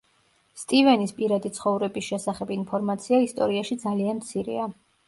სტივენის პირადი ცხოვრების შესახებ ინფორმაცია ისტორიაში ძალიან მცირეა.